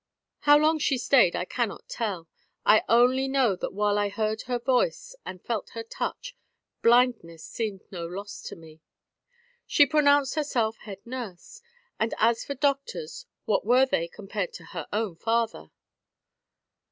How long she stayed, I cannot tell; I only know that while I heard her voice, and felt her touch, blindness seemed no loss to me. She pronounced herself head nurse; and as for doctors, what were they, compared to her own father?